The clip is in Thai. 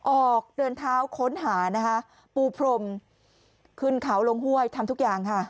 ออกเดินเท้าค้นหานะคะปูพรมขึ้นเขาลงห้วยทำทุกอย่างค่ะ